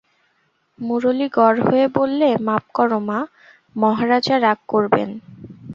মুরলী গড় হয়ে বললে, মাপ করো মা, মহারাজা রাগ করবেন।